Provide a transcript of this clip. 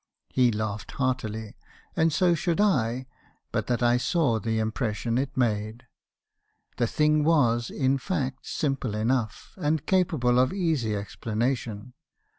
" He laughed heartily ; and so should I , but that I saw the impression it made. The thing was, in fact, simple enough, and capable of easy explanation.